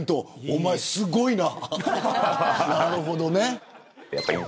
お前、すごいな。